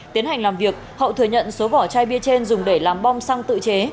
tiến hành làm việc hậu thừa nhận số vỏ chai bia trên dùng để làm bom xăng tự chế